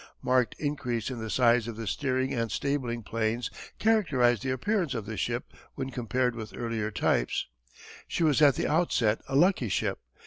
Marked increase in the size of the steering and stabling planes characterized the appearance of the ship when compared with earlier types. She was at the outset a lucky ship.